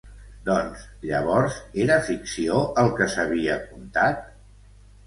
Doncs, llavors, era ficció el què s'havia contat?